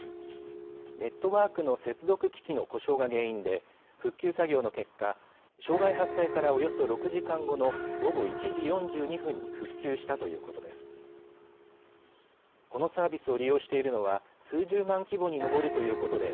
ネットワークの接続機器の故障が原因で、復旧作業の結果、障害発生からおよそ６時間後の午後１時４２分に復旧したということです。